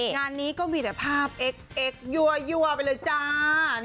งานนี้ก็มีแต่ภาพเอ็กซ์ยั่วไปเลยจ้า